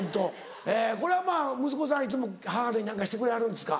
えこれはまぁ息子さんいつも母の日何かしてくれはるんですか？